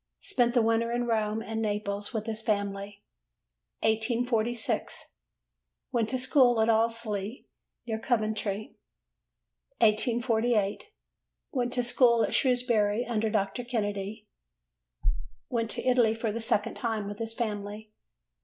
Spent the winter in Rome and Naples with his family. 1846. Went to school at Allesley, near Coventry. 1848. Went to school at Shrewsbury under Dr. Kennedy. Went to Italy for the second time with his family.